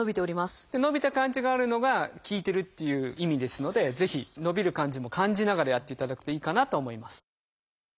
伸びた感じがあるのが効いてるっていう意味ですのでぜひ伸びる感じも感じながらやっていただくといいかなと思います。